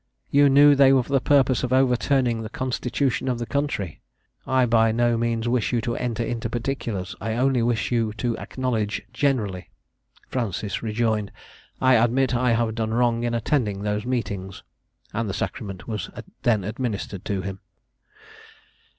"You knew they were for the purpose of overturning the constitution of the country? I by no means wish you to enter into particulars. I only wish you to acknowledge generally." Francis rejoined, "I admit I have done wrong in attending those meetings;" and the sacrament was then administered to them.